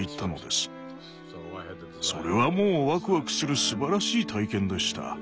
それはもうワクワクするすばらしい体験でした。